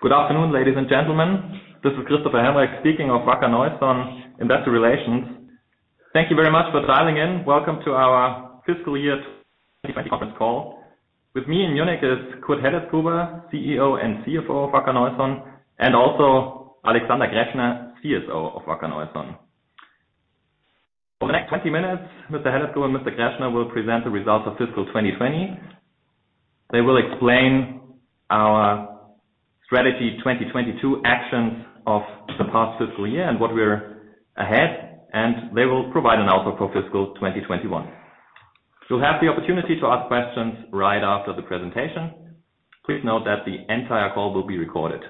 Good afternoon, ladies and gentlemen. This is Christopher Helmreich, speaking of Wacker Neuson, Investor Relations. Thank you very much for dialing in. Welcome to our fiscal year conference call. With me in Munich is Kurt Helletzgruber, CEO and CFO of Wacker Neuson, and also Alexander Greschner, CSO of Wacker Neuson. For the next 20 minutes, Mr. Helletzgruber and Mr. Greschner will present the results of fiscal 2020. They will explain our Strategy 2022 actions of the past fiscal year and what we're ahead, and they will provide an outlook for fiscal 2021. You'll have the opportunity to ask questions right after the presentation. Please note that the entire call will be recorded.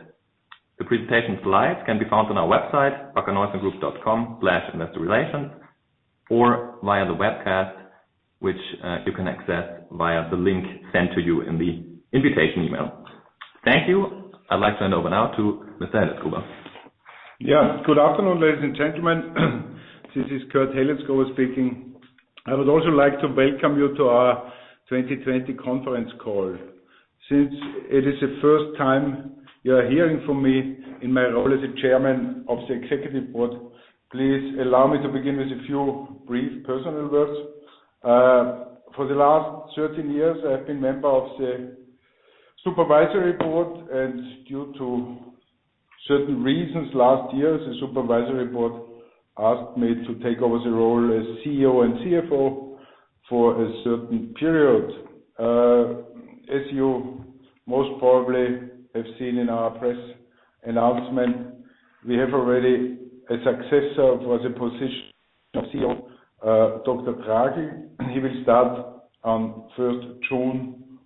The presentation slides can be found on our website, wackerneusongroup.com/investorrelations, or via the webcast, which you can access via the link sent to you in the invitation email. Thank you. I'd like to hand over now to Mr. Helletzgruber. Good afternoon, ladies and gentlemen. This is Kurt Helletzgruber speaking. I would also like to welcome you to our 2020 conference call. Since it is the first time you are hearing from me in my role as the chairman of the executive board, please allow me to begin with a few brief personal words. For the last 13 years, I've been member of the supervisory board, and due to certain reasons, last year, the supervisory board asked me to take over the role as CEO and CFO for a certain period. As you most probably have seen in our press announcement, we have already a successor for the position of CEO, Dr. Tragl. He will start on 1st June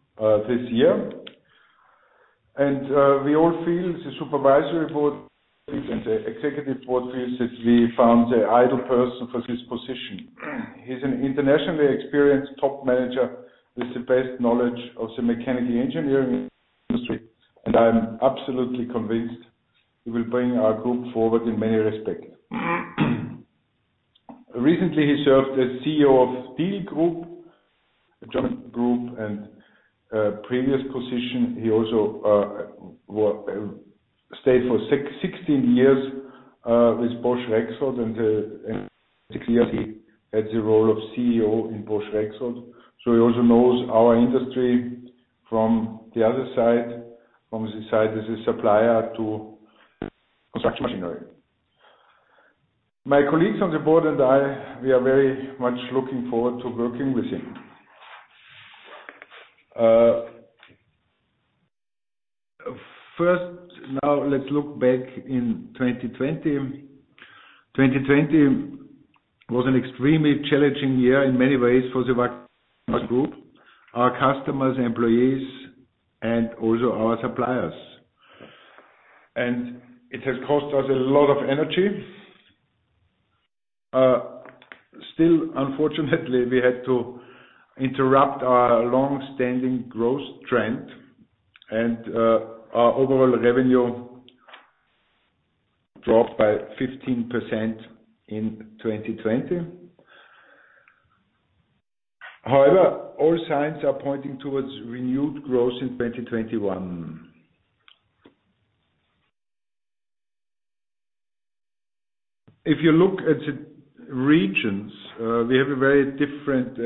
this year. We all feel, the supervisory board and the executive board feels that we found the ideal person for this position. He's an internationally experienced top manager with the best knowledge of the mechanical engineering industry. I'm absolutely convinced he will bring our group forward in many respects. Recently, he served as CEO of STIHL Group, a German group. Previous position, he also stayed for 16 years with Bosch Rexroth and six years at the role of CEO in Bosch Rexroth. He also knows our industry from the other side, from the side as a supplier to construction machinery. My colleagues on the board and I, we are very much looking forward to working with him. First, now let's look back in 2020. 2020 was an extremely challenging year in many ways for the Wacker Neuson Group, our customers, employees, and also our suppliers. It has cost us a lot of energy. Unfortunately, we had to interrupt our longstanding growth trend and our overall revenue dropped by 15% in 2020. All signs are pointing towards renewed growth in 2021. If you look at the regions, we have a very different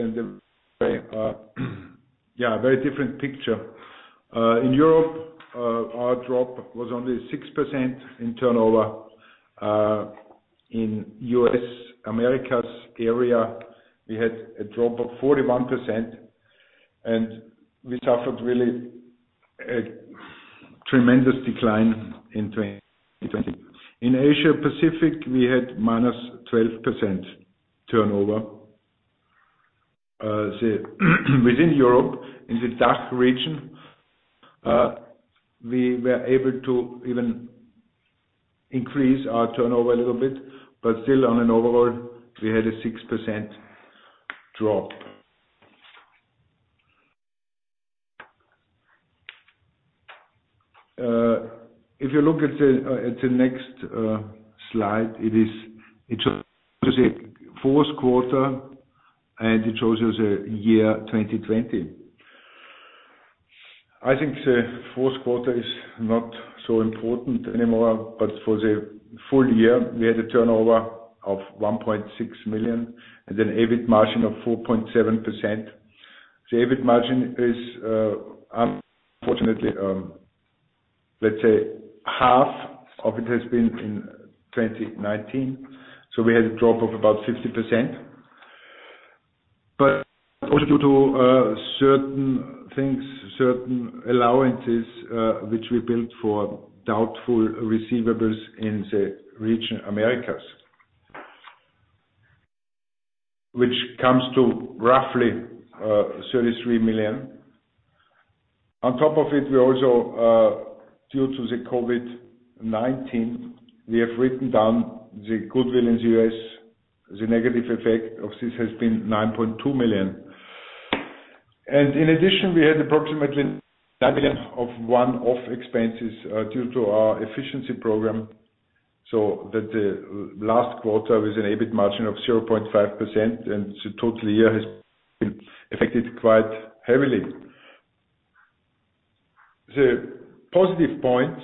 picture. In Europe, our drop was only 6% in turnover. In the U.S., Americas area, we had a drop of 41%. We suffered really a tremendous decline in 2020. In Asia Pacific, we had minus 12% turnover. Within Europe, in the DACH region, we were able to even increase our turnover a little bit. Still on an overall, we had a 6% drop. If you look at the next slide, it shows the fourth quarter. It shows us year 2020. I think the fourth quarter is not so important anymore. For the full year, we had a turnover of 1.6 million. An EBIT margin of 4.7%. The EBIT margin is, unfortunately, let's say, half of it has been in 2019. We had a drop of about 50%. Also due to certain things, certain allowances, which we built for doubtful receivables in the region Americas, which comes to roughly 33 million. On top of it, we also, due to the COVID-19, we have written down the goodwill in the U.S. The negative effect of this has been 9.2 million. In addition, we had approximately of one-off expenses, due to our efficiency program. That the last quarter was an EBIT margin of 0.5%. The total year has been affected quite heavily. The positive point is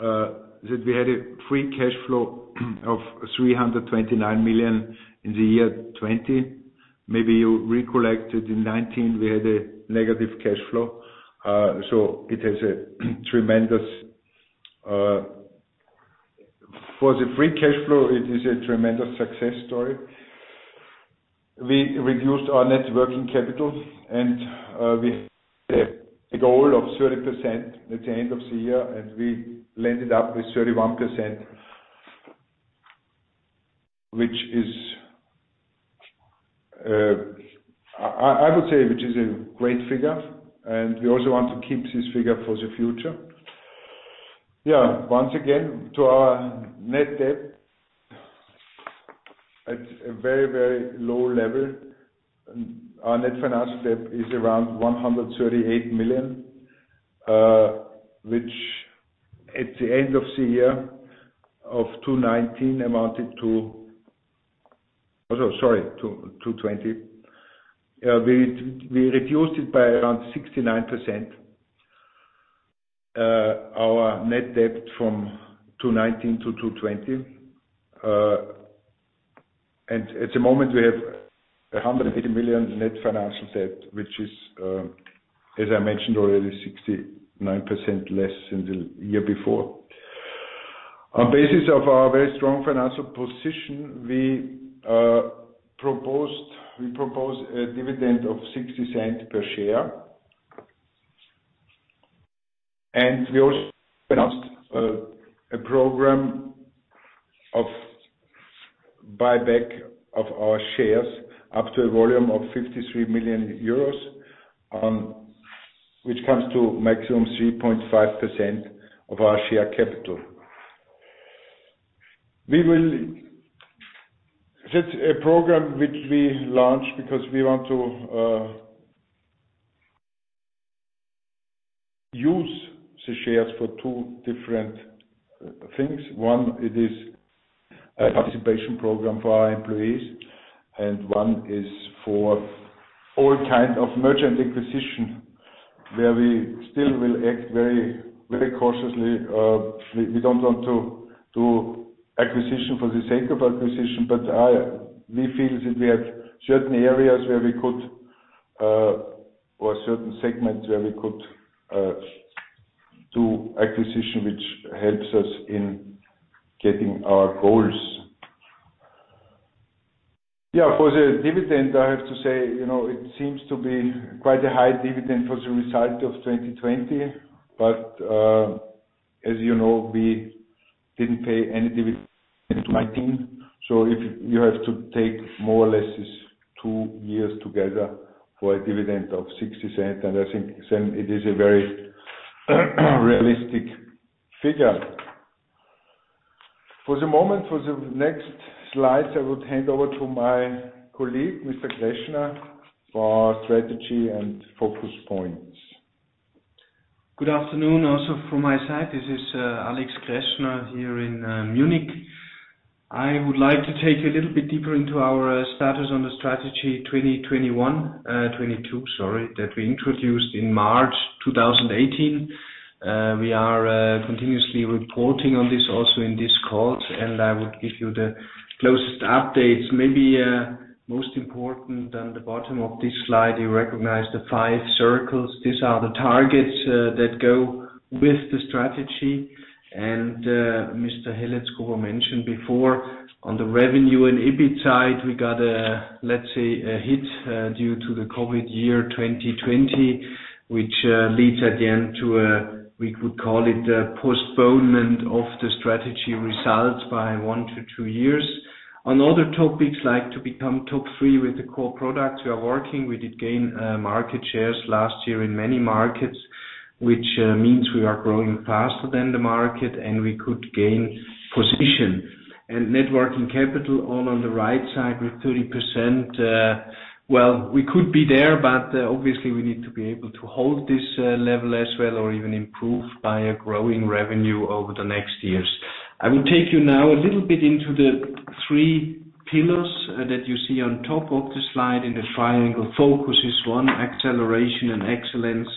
that we had a free cash flow of 329 million in the year 2020. Maybe you recollected in 2019, we had a negative cash flow. For the free cash flow, it is a tremendous success story. We reduced our net working capital. We hit the goal of 30% at the end of the year. We landed up with 31%, which I would say is a great figure. We also want to keep this figure for the future. Once again, to our net debt. At a very low level, our net financial debt is around 138 million, which at the end of the year of 2020 amounted to Sorry. We reduced it by around 69%, our net debt from 2019 to 2020. At the moment we have 180 million net financial debt, which is as I mentioned already, 69% less than the year before. On the basis of our very strong financial position, we propose a dividend of 0.60 per share. We also announced a program of buyback of our shares up to a volume of 53 million euros, which comes to maximum 3.5% of our share capital. That's a program which we launched because we want to use the shares for two different things. One, it is a participation program for our employees. One is for all kinds of merchant acquisition where we still will act very cautiously. We don't want to do acquisition for the sake of acquisition. We feel that we have certain areas or certain segments where we could do acquisition, which helps us in getting our goals. For the dividend, I have to say, it seems to be quite a high dividend for the result of 2020. As you know, we didn't pay any dividend in 2019, you have to take more or less these two years together for a dividend of 0.60. I think then it is a very realistic figure. For the moment, for the next slides, I would hand over to my colleague, Mr. Greschner, for strategy and focus points. Good afternoon also from my side. This is Alex Greschner here in Munich. I would like to take you a little bit deeper into our status on the Strategy 2022, sorry, that we introduced in March 2018. We are continuously reporting on this also in these calls, I would give you the closest updates. Maybe most important, on the bottom of this slide, you recognize the 5 circles. These are the targets that go with the strategy. Mr. Helletzgruber mentioned before on the revenue and EBIT side, we got a, let's say, a hit due to the COVID-19 year 2020, which leads at the end to a, we could call it a postponement of the strategy results by one to two years. On other topics, like to become top three with the core products, we are working. We did gain market shares last year in many markets, which means we are growing faster than the market, we could gain position. Net working capital all on the right side with 30%. Well, we could be there, but obviously we need to be able to hold this level as well or even improve by a growing revenue over the next years. I will take you now a little bit into the three pillars that you see on top of the slide in the triangle. Focus is one, acceleration and excellence.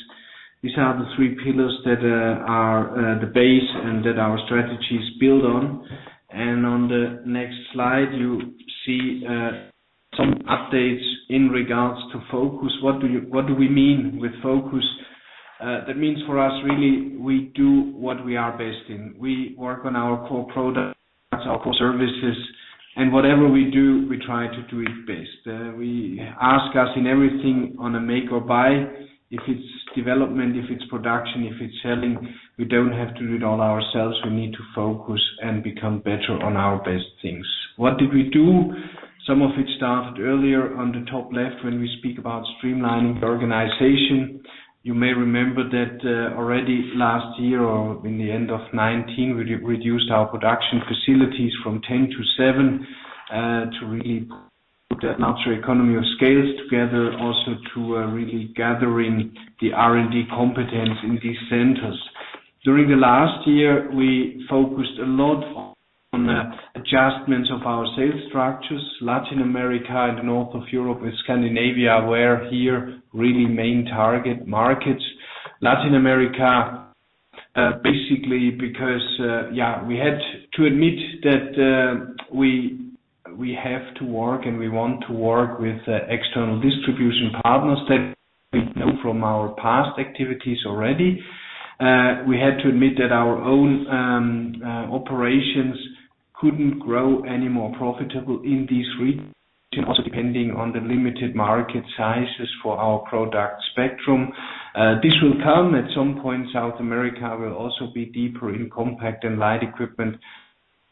These are the three pillars that are the base and that our strategies build on. On the next slide, you see some updates in regards to focus. What do we mean with focus? That means for us, really, we do what we are best in. We work on our core products, our core services, whatever we do, we try to do it best. We ask us in everything on a make or buy, if it's development, if it's production, if it's selling. We don't have to do it all ourselves. We need to focus and become better on our best things. What did we do? Some of it started earlier on the top left when we speak about streamlining the organization. You may remember that already last year or in the end of 2019, we reduced our production facilities from 10 to seven to really look at natural economies of scale together also to really gathering the R&D competence in these centers. During the last year, we focused a lot on the adjustments of our sales structures, Latin America and the north of Europe and Scandinavia were here really main target markets. Latin America, basically, because we had to admit that we have to work and we want to work with external distribution partners that we know from our past activities already. We had to admit that our own operations couldn't grow any more profitable in these regions, also depending on the limited market sizes for our product spectrum. This will come at some point, South America will also be deeper in compact and light equipment.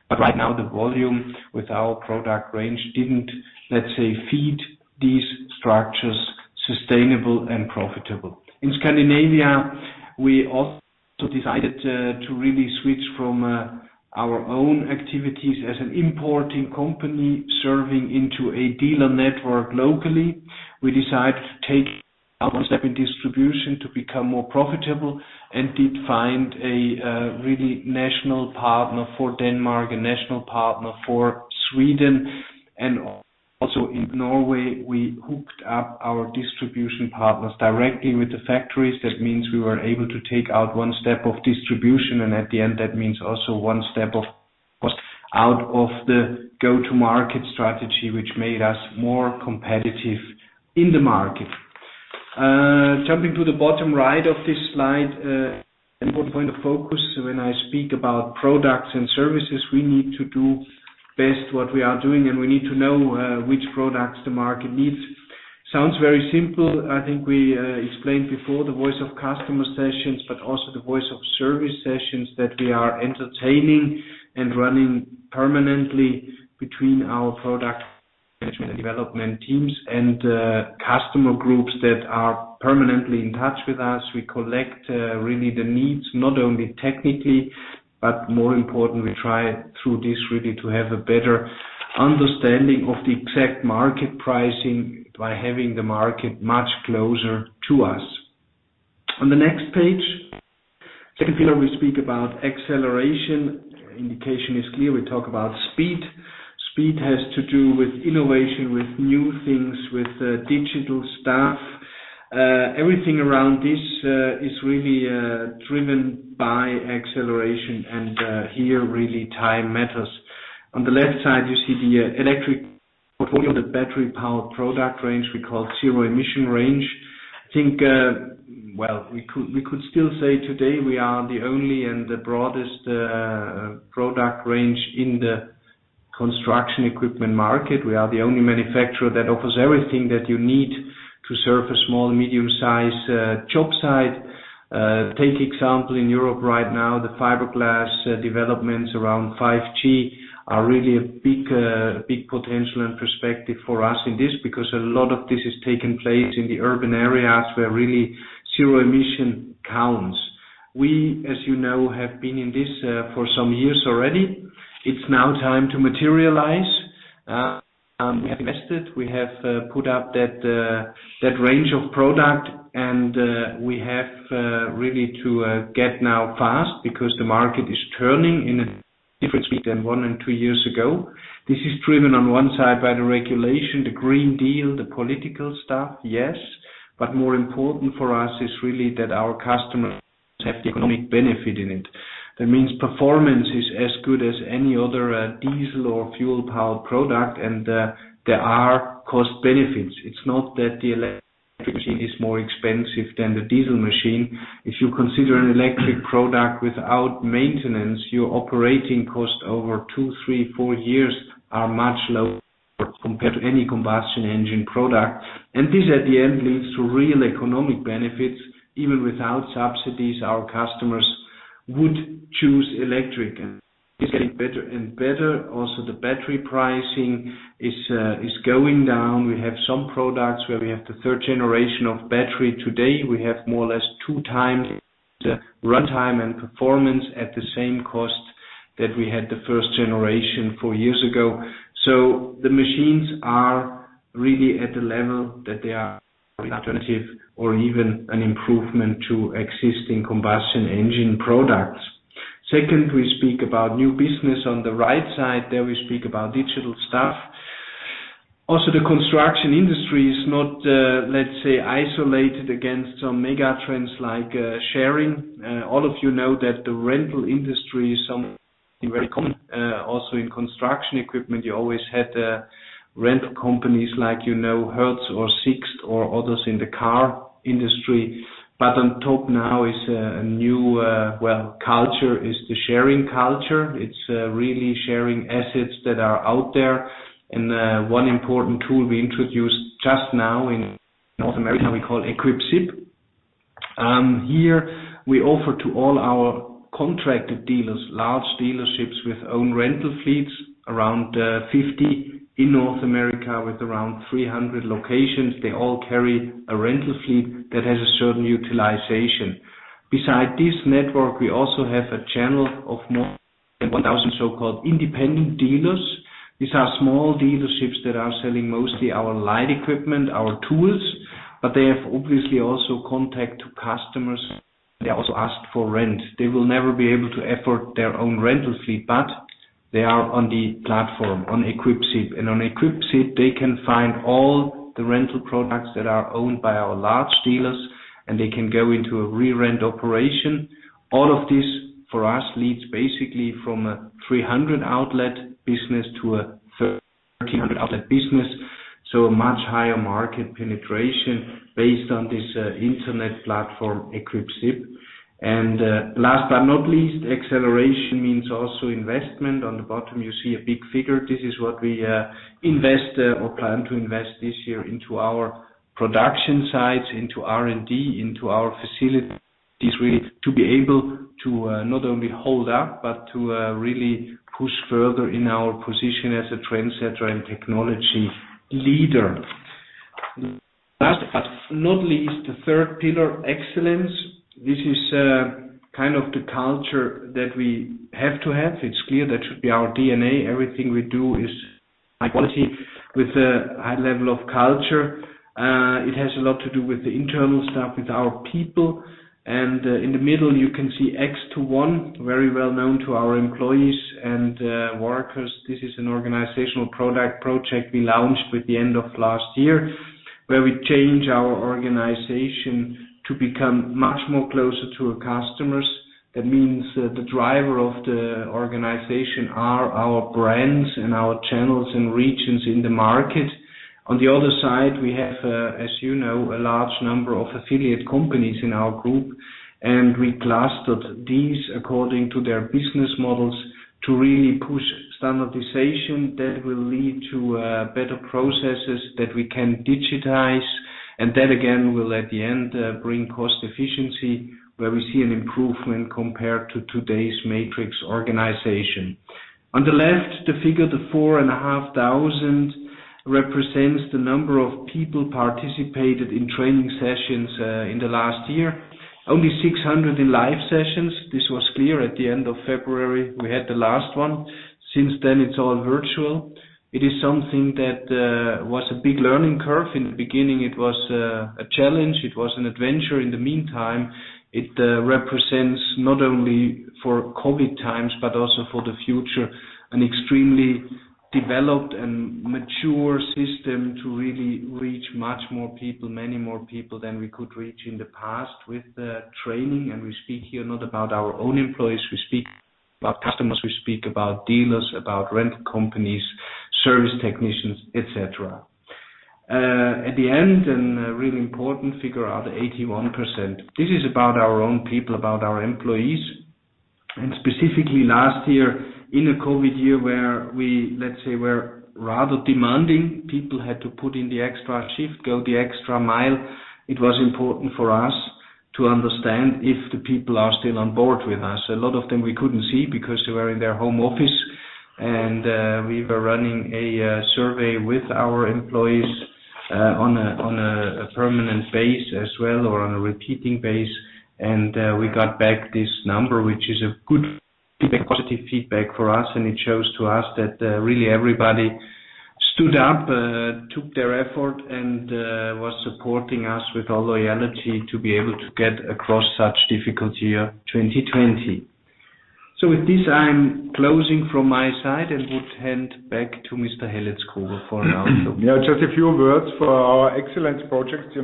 Right now, the volume with our product range didn't, let's say, feed these structures sustainable and profitable. In Scandinavia, we also decided to really switch from our own activities as an importing company serving into a dealer network locally. We decided to take our step in distribution to become more profitable and did find a really national partner for Denmark, a national partner for Sweden, and also in Norway, we hooked up our distribution partners directly with the factories. That means we were able to take out one step of distribution, and at the end, that means also one step of cost out of the go-to-market strategy, which made us more competitive in the market. Jumping to the bottom right of this slide, an important point of focus when I speak about products and services, we need to do best what we are doing, and we need to know which products the market needs. Sounds very simple. I think we explained before the voice of customer sessions, but also the voice of service sessions that we are entertaining and running permanently between our product management and development teams and customer groups that are permanently in touch with us. We collect really the needs, not only technically, but more important, we try through this really to have a better understanding of the exact market pricing by having the market much closer to us. On the next page, second pillar, we speak about acceleration. Indication is clear. We talk about speed. Speed has to do with innovation, with new things, with digital stuff. Everything around this is really driven by acceleration and here, really time matters. On the left side, you see the electric battery powered product range we call zero emission range. I think, well, we could still say today we are the only and the broadest product range in the construction equipment market. We are the only manufacturer that offers everything that you need to serve a small, medium-size job site. Take example in Europe right now, the fiberglass developments around 5G are really a big potential and perspective for us in this, because a lot of this is taking place in the urban areas where really zero emission counts. We, as you know, have been in this for some years already. It's now time to materialize. We have invested, we have put up that range of product and we have really to get now fast because the market is turning in a different speed than one and two years ago. This is driven on one side by the regulation, the Green Deal, the political stuff, yes. More important for us is really that our customers have economic benefit in it. That means performance is as good as any other diesel or fuel-powered product, and there are cost benefits. It's not that the electric machine is more expensive than the diesel machine. If you consider an electric product without maintenance, your operating cost over two, three, four years are much lower compared to any combustion engine product. This, at the end, leads to real economic benefits. Even without subsidies, our customers would choose electric, and it's getting better and better. The battery pricing is going down. We have some products where we have the third generation of battery today. We have more or less two times the runtime and performance at the same cost that we had the first generation four years ago. The machines are really at the level that they are alternative or even an improvement to existing combustion engine products. Second, we speak about new business. On the right side there, we speak about digital stuff. The construction industry is not, let's say, isolated against some mega trends like sharing. All of you know that the rental industry is something very common. In construction equipment, you always had rental companies like Hertz or Sixt or others in the car industry. On top now is a new, well, culture, is the sharing culture. It's really sharing assets that are out there. One important tool we introduced just now in North America, we call EquipZip. Here we offer to all our contracted dealers, large dealerships with own rental fleets, around 50 in North America with around 300 locations. They all carry a rental fleet that has a certain utilization. Beside this network, we also have a channel of more 1,000 so-called independent dealers. These are small dealerships that are selling mostly our light equipment, our tools, but they have obviously also contact to customers. They also ask for rent. They will never be able to effort their own rental fleet, but they are on the platform, on EquipZip. On EquipZip, they can find all the rental products that are owned by our large dealers, and they can go into a re-rent operation. All of this, for us, leads basically from a 300 outlet business to a 1,300 outlet business. A much higher market penetration based on this internet platform, EquipZip. Last but not least, acceleration means also investment. On the bottom, you see a big figure. This is what we invest or plan to invest this year into our production sites, into R&D, into our facilities, really, to be able to not only hold up, but to really push further in our position as a trendsetter and technology leader. Last but not least, the third pillar, excellence. This is kind of the culture that we have to have. It's clear that should be our DNA. Everything we do is high quality with a high level of culture. It has a lot to do with the internal stuff, with our people. In the middle, you can see act as one, very well known to our employees and workers. This is an organizational project we launched with the end of last year, where we change our organization to become much more closer to our customers. That means the driver of the organization are our brands and our channels and regions in the market. On the other side, we have, as you know, a large number of affiliate companies in our group, and we clustered these according to their business models to really push standardization that will lead to better processes that we can digitize. That, again, will at the end, bring cost efficiency where we see an improvement compared to today's matrix organization. On the left, the figure, the 4,500 represents the number of people participated in training sessions in the last year. Only 600 in live sessions. This was clear at the end of February, we had the last one. Since then, it's all virtual. It is something that was a big learning curve. In the beginning, it was a challenge. It was an adventure. In the meantime, it represents, not only for COVID times, but also for the future, an extremely developed and mature system to really reach much more people, many more people than we could reach in the past with training. We speak here not about our own employees. We speak about customers, we speak about dealers, about rental companies, service technicians, et cetera. At the end, a really important figure are the 81%. This is about our own people, about our employees. Specifically last year, in a COVID year where we, let's say, were rather demanding, people had to put in the extra shift, go the extra mile. It was important for us to understand if the people are still on board with us. A lot of them we couldn't see because they were in their home office. We were running a survey with our employees on a permanent base as well, or on a repeating base. We got back this number, which is a good positive feedback for us, and it shows to us that really everybody stood up, took the effort, and was supporting us with all loyalty to be able to get across such difficult year, 2020. With this, I'm closing from my side and would hand back to Mr. Helletzgruber for an outlook. Just a few words for our excellence projects. The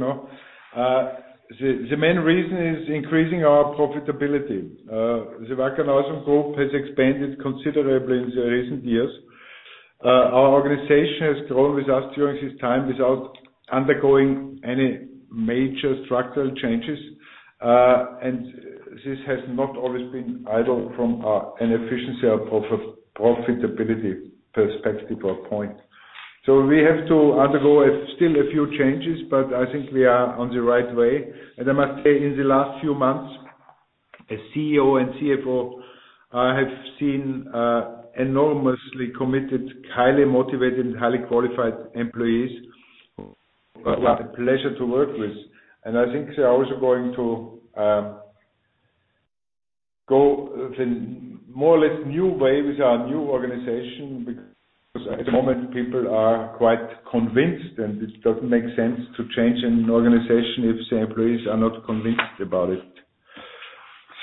main reason is increasing our profitability. The Wacker Neuson Group has expanded considerably in the recent years. Our organization has grown with us during this time without undergoing any major structural changes. This has not always been idle from an efficiency or profitability perspective or point. We have to undergo still a few changes, but I think we are on the right way. I must say, in the last few months, as CEO and CFO, I have seen enormously committed, highly motivated, and highly qualified employees, a pleasure to work with. I think they are also going to go the more or less new way with our new organization, because at the moment, people are quite convinced, and it doesn't make sense to change an organization if the employees are not convinced about it.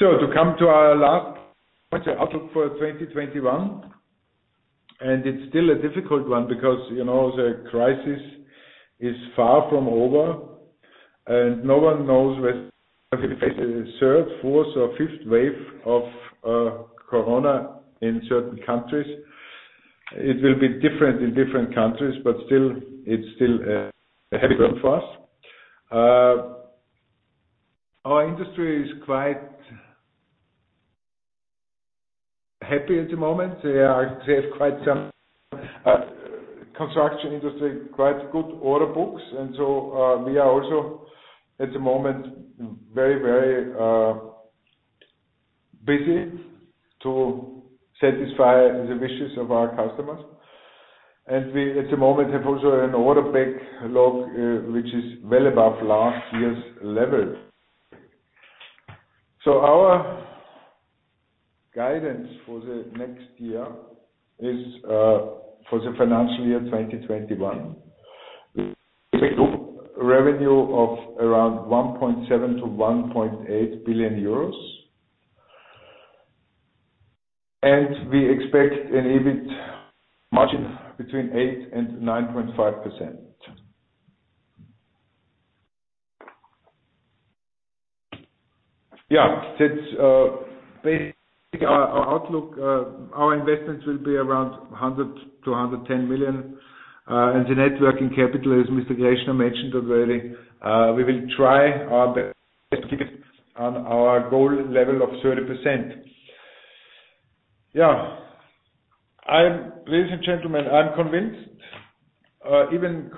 To come to our last point, the outlook for 2021, it's still a difficult one because the crisis is far from over, and no one knows whether there will be a third, fourth, or fifth wave of COVID-19 in certain countries. It will be different in different countries, but still, it's still a heavy load for us. Our industry is quite happy at the moment. They have, construction industry, quite good order books, we are also at the moment very, very busy to satisfy the wishes of our customers. We at the moment have also an order book log, which is well above last year's level. Our guidance for the next year is, for the financial year 2021, revenue of around 1.7 billion-1.8 billion euros. We expect an EBIT margin between 8% and 9.5%. That's basically our outlook. Our investments will be around 100 million-110 million. The net working capital, as Mr. Greschner mentioned already, we will try our best on our goal level of 30%. Ladies and gentlemen, I'm convinced, even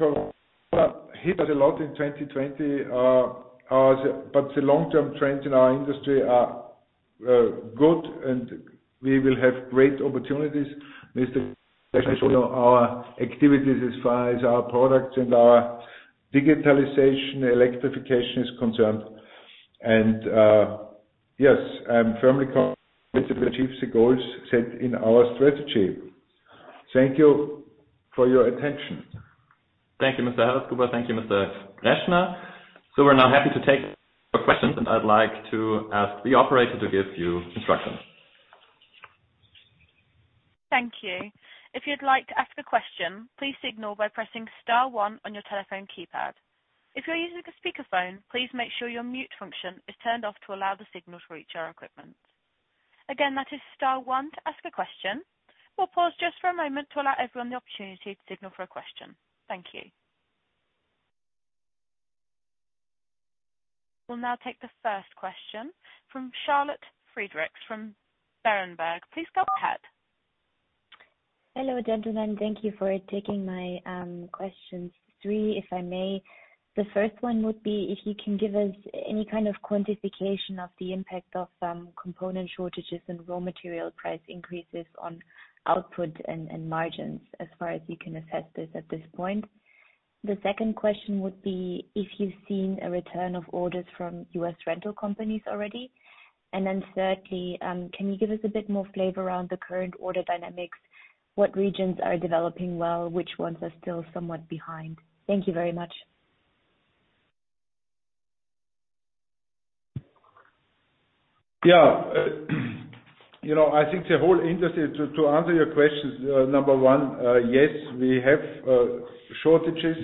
hit us a lot in 2020, but the long-term trends in our industry are good, and we will have great opportunities. Mr. Greschner our activities as far as our products and our digitalization, electrification is concerned. Yes, I'm firmly confident to achieve the goals set in our strategy. Thank you for your attention. Thank you, Mr. Helletzgruber. Thank you, Mr. Greschner. We're now happy to take your questions, and I'd like to ask the operator to give you instructions. Thank you. If you'd like to ask a question, please signal by pressing star one on your telephone keypad. If you're using a speakerphone, please make sure your mute function is turned off to allow the signal to reach our equipment. Again, that is star one to ask a question. We'll pause just for a moment to allow everyone the opportunity to signal for a question. Thank you. We'll now take the first question from Charlotte Friedrichs from Berenberg. Please go ahead. Hello, gentlemen. Thank you for taking my questions. Three, if I may. The first one would be if you can give us any kind of quantification of the impact of some component shortages and raw material price increases on output and margins as far as you can assess this at this point. The second question would be if you've seen a return of orders from U.S. rental companies already. Thirdly, can you give us a bit more flavor around the current order dynamics? What regions are developing well, which ones are still somewhat behind? Thank you very much. To answer your questions, number one, yes, we have shortages.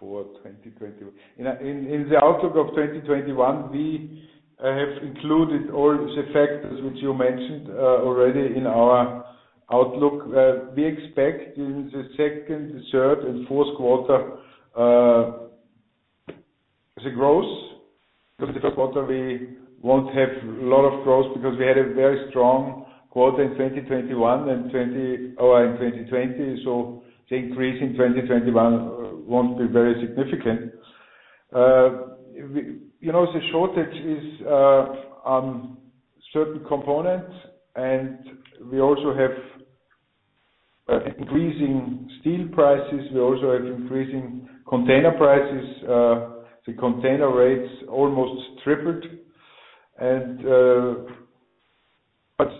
In the outlook of 2021, we have included all the factors which you mentioned already in our outlook. We expect in the second, third, and fourth quarter, the growth. First quarter, we won't have a lot of growth because we had a very strong quarter in 2020, so the increase in 2021 won't be very significant. The shortage is on certain components, and we also have increasing steel prices. We also have increasing container prices. The container rates almost tripled.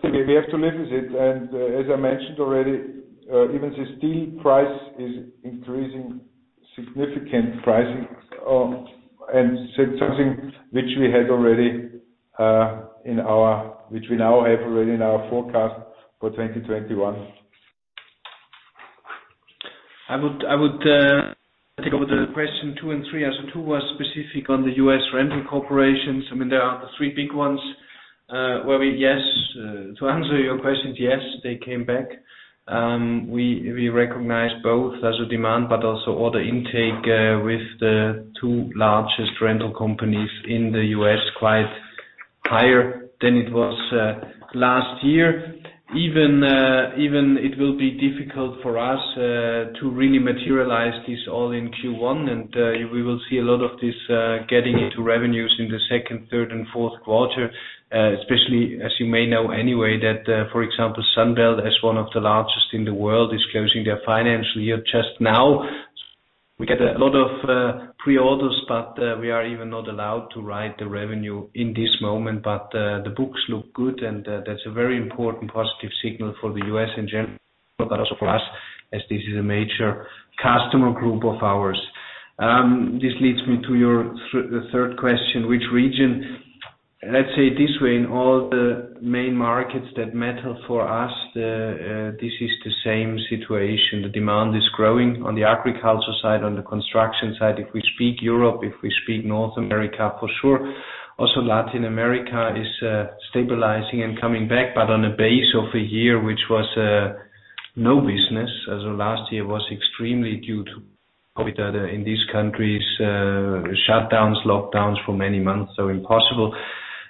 Still, we have to live with it. As I mentioned already, even the steel price is increasing significant pricing, and something which we now have already in our forecast for 2021. I would take over the question two and three. Two was specific on the U.S. rental corporations. To answer your questions, yes, they came back. We recognize both as a demand, but also order intake, with the two largest rental companies in the U.S., quite higher than it was last year. Even it will be difficult for us to really materialize this all in Q1, and we will see a lot of this getting into revenues in the second, third, and fourth quarter, especially as you may know anyway, that, for example, Sunbelt, as one of the largest in the world, is closing their financial year just now. We get a lot of pre-orders, we are even not allowed to write the revenue in this moment. The books look good, and that's a very important positive signal for the U.S. in general, but also for us as this is a major customer group of ours. This leads me to your third question, which region. Let's say it this way, in all the main markets that matter for us, this is the same situation. The demand is growing on the agriculture side, on the construction side. If we speak Europe, if we speak North America, for sure. Also Latin America is stabilizing and coming back, on a base of a year, which was no business, as of last year was extremely due to COVID in these countries, shutdowns, lockdowns for many months, so impossible.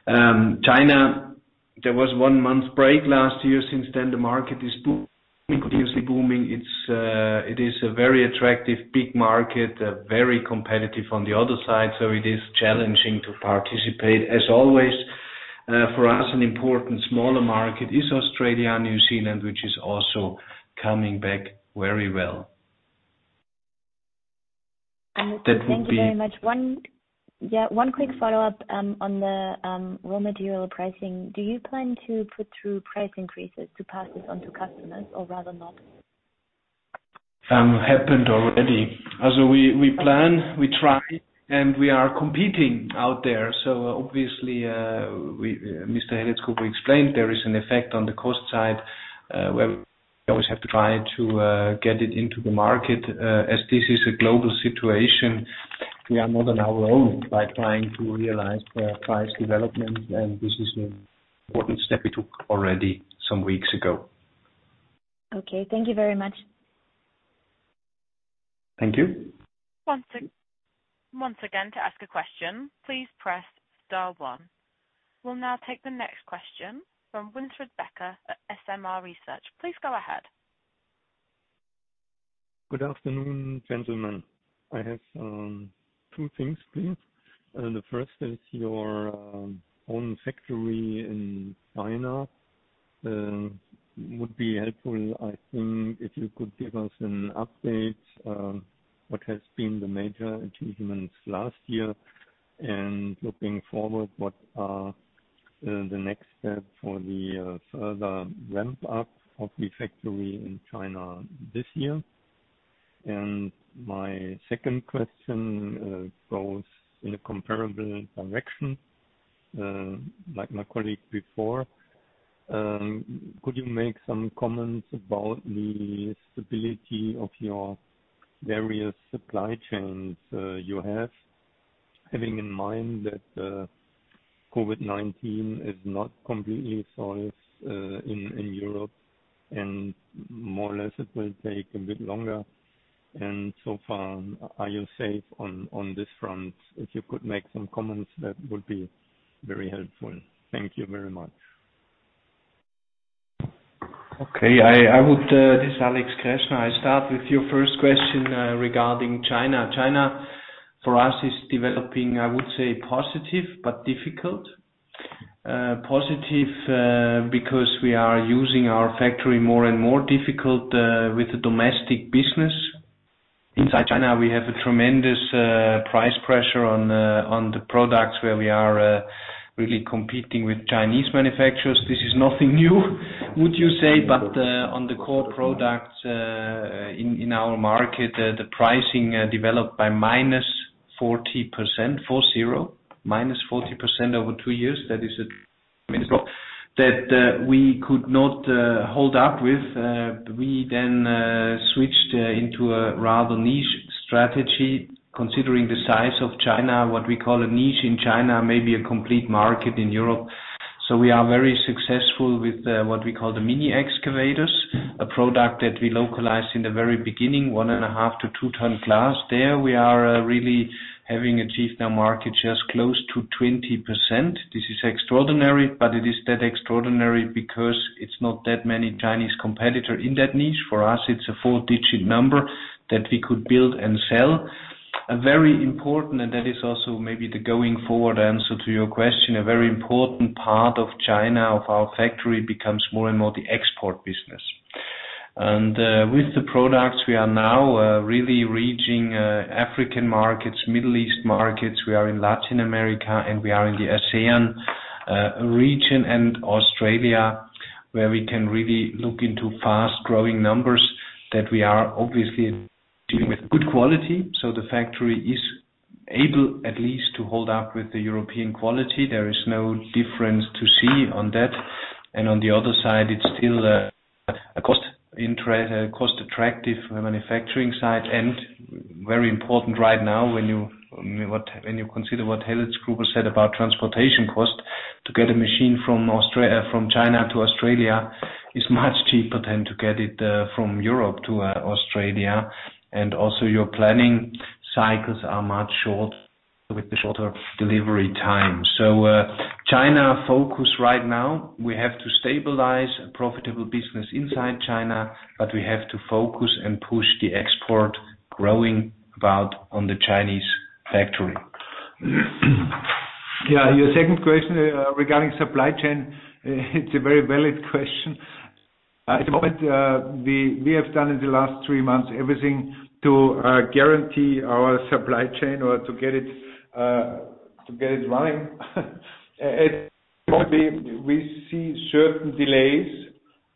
China There was one month break last year. Since then, the market is booming, continuously booming. It is a very attractive big market, very competitive on the other side, so it is challenging to participate. As always, for us, an important smaller market is Australia and New Zealand, which is also coming back very well. Thank you very much. One quick follow-up on the raw material pricing. Do you plan to put through price increases to pass this on to customers or rather not? Happened already. We plan, we try, and we are competing out there. Obviously, Mr. Helletzgruber explained there is an effect on the cost side, where we always have to try to get it into the market. As this is a global situation, we are not on our own by trying to realize price development, and this is an important step we took already some weeks ago. Okay. Thank you very much. Thank you. Once again, to ask a question, please press star one. We will now take the next question from Winfried Becker at SMR Research. Please go ahead. Good afternoon, gentlemen. I have two things, please. The first is your own factory in China. Would be helpful, I think, if you could give us an update, what has been the major achievements last year, and looking forward, what are the next steps for the further ramp-up of the factory in China this year? My second question goes in a comparable direction, like my colleague before. Could you make some comments about the stability of your various supply chains you have, having in mind that COVID-19 is not completely solved in Europe, and more or less it will take a bit longer, and so far, are you safe on this front? If you could make some comments, that would be very helpful. Thank you very much. Okay. This is Alex Greschner. I start with your first question regarding China. China, for us, is developing, I would say, positive, but difficult. Positive because we are using our factory more and more. Difficult with the domestic business. Inside China, we have a tremendous price pressure on the products where we are really competing with Chinese manufacturers. This is nothing new, would you say? On the core products in our market, the pricing developed by minus 40%, four, zero. Minus 40% over two years. That is a problem that we could not hold up with. We then switched into a rather niche strategy. Considering the size of China, what we call a niche in China may be a complete market in Europe. We are very successful with what we call the mini excavators, a product that we localized in the very beginning, one and a half to two tonne class. There, we are really having achieved now market shares close to 20%. This is extraordinary, but it is that extraordinary because it's not that many Chinese competitor in that niche. For us, it's a four-digit number that we could build and sell. A very important, and that is also maybe the going forward answer to your question, a very important part of China, of our factory becomes more and more the export business. And with the products, we are now really reaching African markets, Middle East markets. We are in Latin America, and we are in the ASEAN region and Australia, where we can really look into fast-growing numbers that we are obviously dealing with good quality. The factory is able at least to hold up with the European quality. There is no difference to see on that. And on the other side, it's still a cost-attractive manufacturing site and very important right now when you consider what Helletzgruber said about transportation cost. To get a machine from China to Australia is much cheaper than to get it from Europe to Australia. And also your planning cycles are much short with the shorter delivery time. China focus right now, we have to stabilize a profitable business inside China, but we have to focus and push the export growing out on the Chinese factory. Your second question regarding supply chain, it's a very valid question. At the moment, we have done in the last three months everything to guarantee our supply chain or to get it running. At the moment, we see certain delays,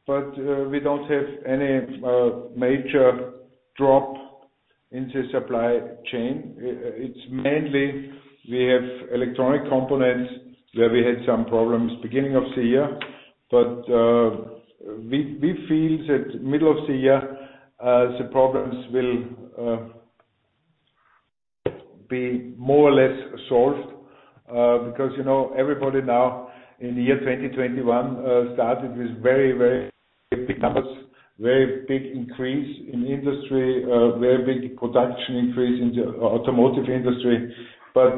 but we don't have any major drop in the supply chain. It's mainly we have electronic components where we had some problems beginning of the year, but we feel that middle of the year, the problems will be more or less solved because everybody now in 2021 started with very big numbers. Very big increase in industry, very big production increase in the automotive industry. But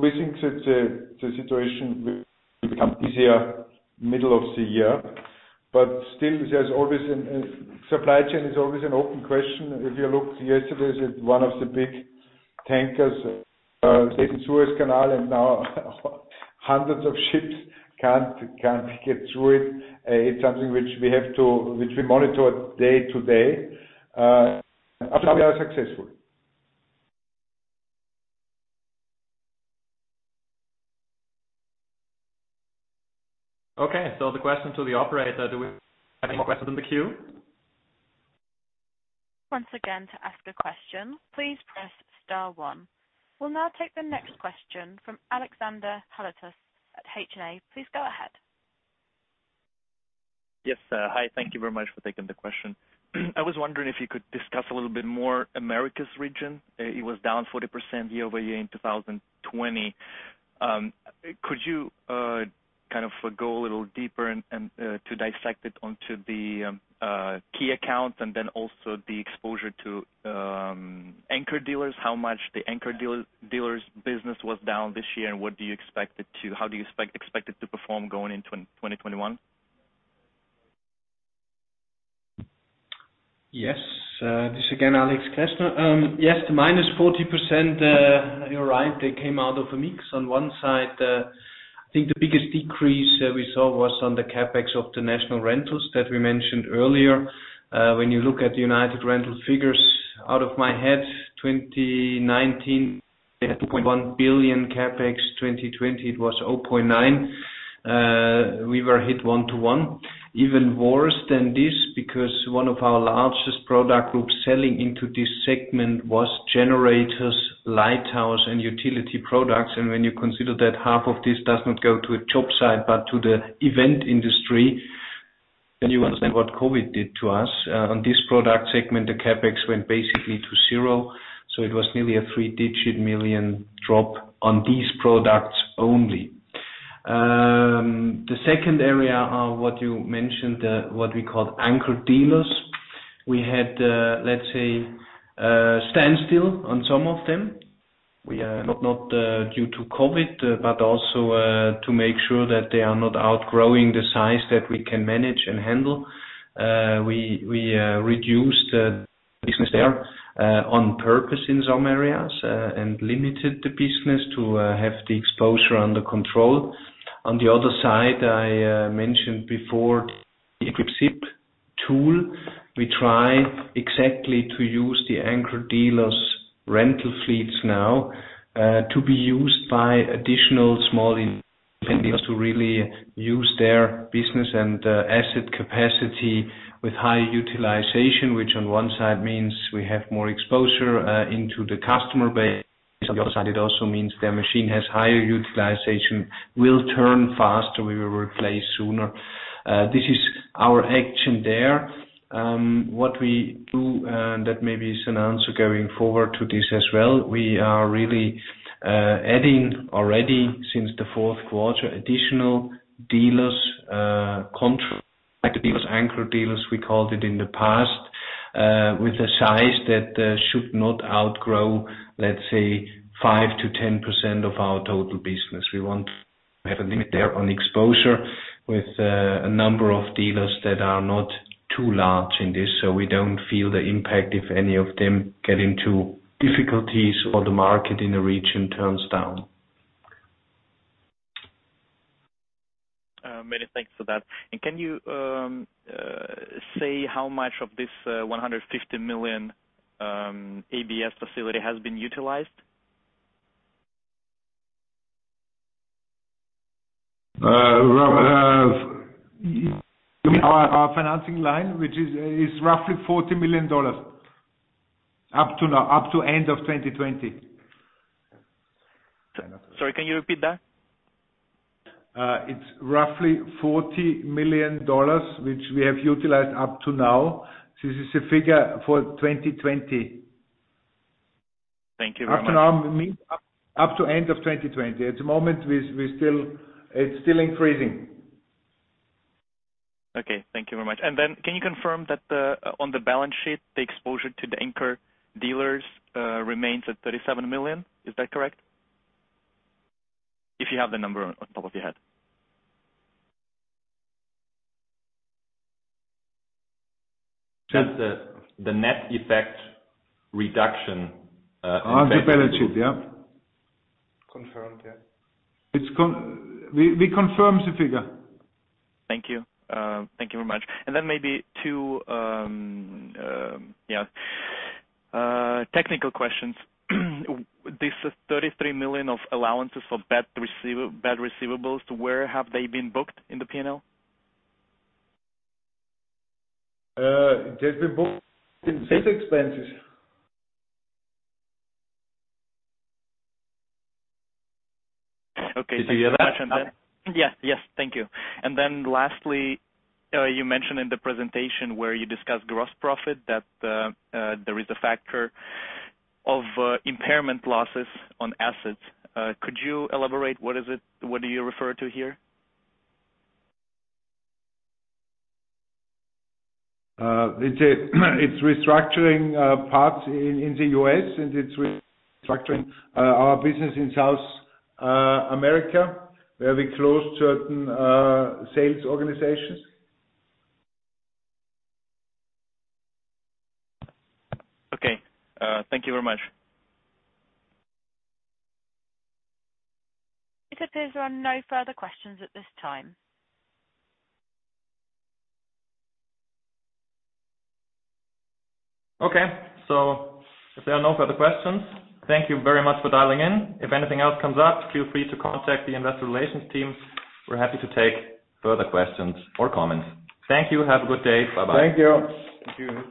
we think that the situation will become easier middle of the year. Still, supply chain is always an open question. If you looked yesterday, one of the big tankers hit the Suez Canal and now hundreds of ships can't get through it. It's something which we monitor day to day. Up to now we are successful. The question to the operator, do we have any more questions in the queue? Once again, to ask a question, please press star one. We will now take the next question from Alexander Hauenstein at HNA. Please go ahead. Yes. Hi, thank you very much for taking the question. I was wondering if you could discuss a little bit more Americas region. It was down 40% year-over-year in 2020. Could you go a little deeper and to dissect it onto the key accounts, and then also the exposure to anchor dealers, how much the anchor dealers business was down this year, and how do you expect it to perform going into 2021? Yes. This is again Alex Greschner. Yes, the minus 40%, you are right, they came out of a mix. On one side, I think the biggest decrease we saw was on the CapEx of the national rentals that we mentioned earlier. When you look at United Rentals figures, out of my head, 2019, they had 2.1 billion CapEx, 2020 it was 0.9 billion. We were hit one to one. Even worse than this, because one of our largest product groups selling into this segment was generators, light towers, and utility products, and when you consider that half of this does not go to a job site, but to the event industry, then you understand what COVID did to us. On this product segment, the CapEx went basically to zero, it was nearly a EUR three digit million drop on these products only. The second area, what you mentioned, what we call anchor dealers. We had, let's say, a standstill on some of them. Not due to COVID, but also to make sure that they are not outgrowing the size that we can manage and handle. We reduced the business there on purpose in some areas, limited the business to have the exposure under control. On the other side, I mentioned before the EquipCare tool. We try exactly to use the anchor dealers' rental fleets now to be used by additional small to really use their business and asset capacity with high utilization, which on one side means we have more exposure into the customer base. On the other side, it also means their machine has higher utilization, will turn faster, we will replace sooner. This is our action there. What we do, and that maybe is an answer going forward to this as well, we are really adding already since the fourth quarter, additional dealers contracts, anchor dealers we called it in the past, with a size that should not outgrow, let's say, 5%-10% of our total business. We have a limit there on exposure with a number of dealers that are not too large in this, we don't feel the impact if any of them get into difficulties or the market in the region turns down. Many thanks for that. Can you say how much of this $150 million ABS facility has been utilized? You mean our financing line, which is roughly $40 million up to end of 2020. Sorry, can you repeat that? It's roughly $40 million, which we have utilized up to now. This is a figure for 2020. Thank you very much. Up to end of 2020. At the moment, it's still increasing. Okay. Thank you very much. Can you confirm that on the balance sheet, the exposure to the anchor dealers remains at 37 million? Is that correct? If you have the number on top of your head. That's the net effect reduction. On the balance sheet, yeah. Confirmed, yeah. We confirm the figure. Thank you. Thank you very much. Then maybe two technical questions. This 33 million of allowances for bad receivables, where have they been booked in the P&L? They've been booked in sales expenses. Okay. Did you hear that? Yes. Thank you. Lastly, you mentioned in the presentation where you discussed gross profit, that there is a factor of impairment losses on assets. Could you elaborate what is it? What do you refer to here? It's restructuring parts in the U.S., and it's restructuring our business in South America, where we closed certain sales organizations. Okay. Thank you very much. It appears there are no further questions at this time. Okay. If there are no further questions, thank you very much for dialing in. If anything else comes up, feel free to contact the investor relations team. We are happy to take further questions or comments. Thank you. Have a good day. Bye-bye. Thank you. Thank you.